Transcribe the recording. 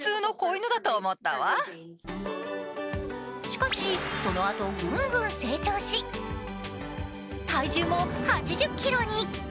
しかし、そのあとぐんぐん成長し体重も８０ｋｇに。